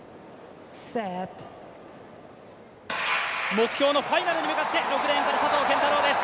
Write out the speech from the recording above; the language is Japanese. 目標のファイナルに向かって、６レーンから佐藤拳太郎です。